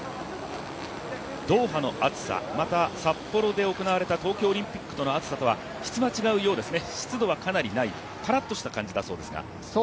ドーハの暑さ、また札幌で行われた東京オリンピックとの暑さとは質が違うようですね、湿度はないカラッとした感じだそうですが。